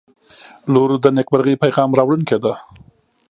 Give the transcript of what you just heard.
• لور د نیکمرغۍ پیغام راوړونکې ده.